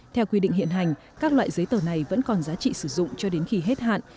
theo quy định hiện hành các loại giấy tờ này vẫn còn giá trị sử dụng cho đến khi hết hạn